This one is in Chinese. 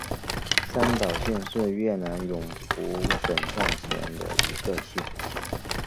三岛县是越南永福省下辖的一个县。